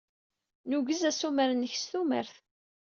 Nugez assumer-nnek s tumert.